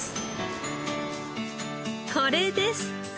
これです！